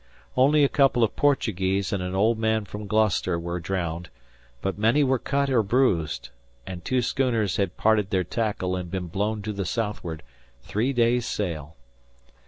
Only a couple of Portuguese and an old man from Gloucester were drowned, but many were cut or bruised; and two schooners had parted their tackle and been blown to the southward, three days' sail.